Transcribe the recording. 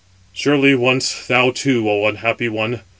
"Surely once, thou too, O unhappy one!